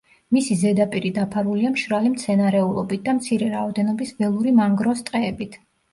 მისი ზედაპირი დაფარულია მშრალი მცენარეულობით და მცირე რაოდენობის ველური მანგროს ტყეებით.